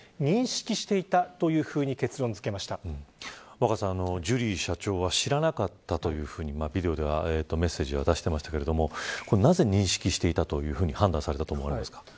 若狭さん、ジュリー社長は知らなかったというふうにビデオではメッセージを出していましたがなぜ認識していたというふうに判断されたと思いますか。